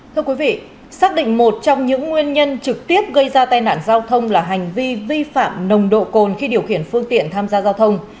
thưa quý vị xác định một trong những nguyên nhân trực tiếp gây ra tai nạn giao thông là hành vi vi phạm nồng độ cồn khi điều khiển phương tiện tham gia giao thông